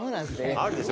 あるでしょ？